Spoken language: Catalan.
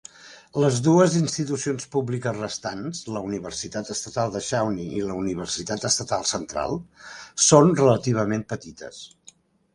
Les dues institucions públiques restants (la Universitat Estatal de Shawnee i la Universitat Estatal Central) són relativament petites.